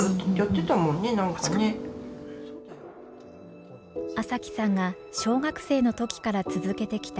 麻貴さんが小学生の時から続けてきたヨーヨー。